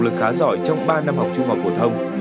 lực khá giỏi trong ba năm học trung học phổ thông